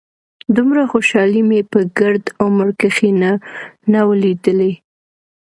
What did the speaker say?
دومره خوشالي مې په ګرد عمر کښې نه وه ليدلې.